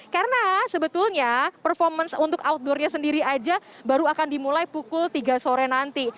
karena sebetulnya performance untuk outdoornya sendiri aja baru akan dimulai pukul tiga sore nanti